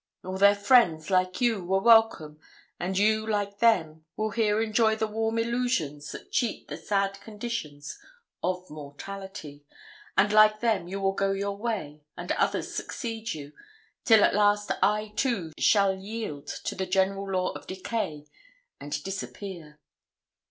All their friends, like you, were welcome; and you, like them, will here enjoy the warm illusions that cheat the sad conditions of mortality; and like them you will go your way, and others succeed you, till at last I, too, shall yield to the general law of decay, and disappear.'